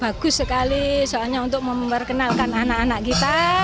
bagus sekali soalnya untuk memperkenalkan anak anak kita